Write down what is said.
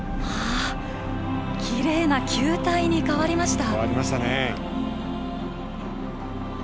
きれいな球体に変わりました。